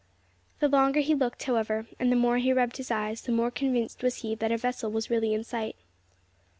The longer he looked, however, and the more he rubbed his eyes, the more convinced was he that a vessel was really in sight.